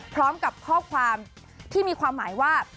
พร้อมกับข้อความที่มีความหมายว่า